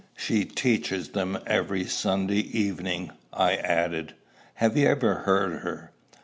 "She teaches them every Sunday evening," I added. "Have you ever heard her?"